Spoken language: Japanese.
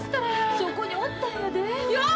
そこにおったんやで。